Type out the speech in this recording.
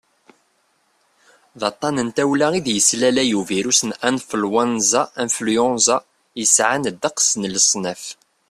d aṭṭan n tawla i d-yeslalay ubirus n anflwanza influenza yesɛan ddeqs n leṣnaf